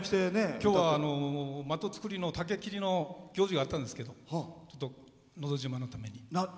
きょうは的作りの竹切りの行事があったんですけど「のど自慢」のために。